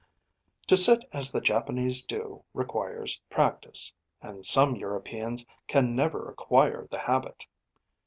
To sit as the Japanese do requires practice; and some Europeans can never acquire the habit.